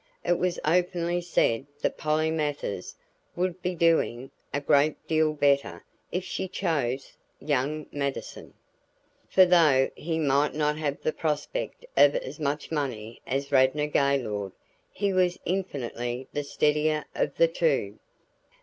It was openly said that Polly Mathers would be doing a great deal better if she chose young Mattison, for though he might not have the prospect of as much money as Radnor Gaylord, he was infinitely the steadier of the two.